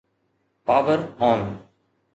power on